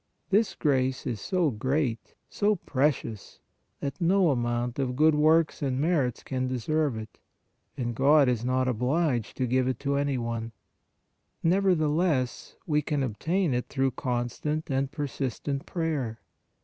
This grace is so great, so precious, that no amount of good works and merits can deserve it, and God is not PRAYER OF PETITION 23 obliged to give it to any one. Nevertheless, we can obtain it through constant and persistent prayer.